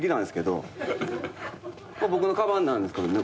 僕のかばんなんですけどね